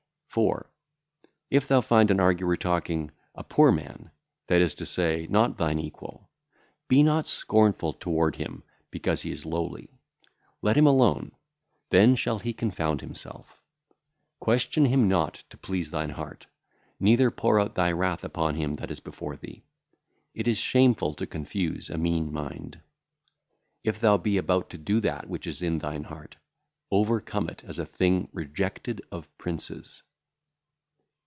4. If thou find an arguer talking, a poor man, that is to say not thine equal, be not scornful toward him because he is lowly. Let him alone; then shall he confound himself. Question him not to please thine heart, neither pour out thy wrath upon him that is before thee; it is shameful to confuse a mean mind. If thou be about to do that which is in thine heart, overcome it as a thing rejected of princes.